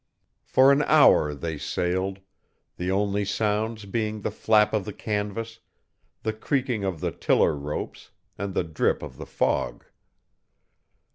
For an hour they sailed, the only sounds being the flap of the canvas, the creaking of the tiller ropes, and the drip of the fog.